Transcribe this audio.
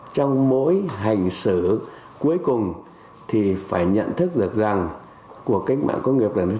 trong mỗi hành xử cuối cùng thì phải nhận thức được rằng của cách mạng công nghiệp bốn